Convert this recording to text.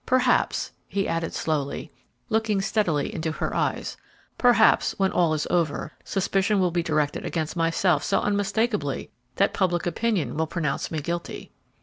Perhaps," he added, slowly, looking steadily into her eyes, "perhaps, when all is over, suspicion will be directed against myself so unmistakably that public opinion will pronounce me guilty."